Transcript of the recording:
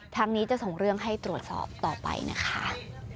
ทางนี้จะส่งเรื่องให้ตรวจสอบต่อไปนะคะ